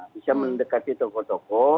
bisa mendekati tokoh tokoh